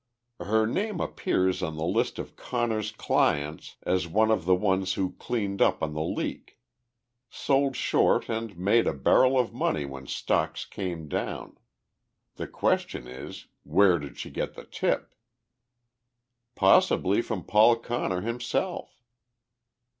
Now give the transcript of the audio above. "Her name appears on the list of Connor's clients as one of the ones who cleaned up on the 'leak.' Sold short and made a barrel of money when stocks came down. The question is, Where did she get the tip?" "Possibly from Paul Connor himself."